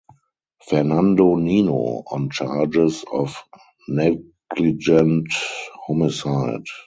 Fernando Nino on charges of negligent homicide.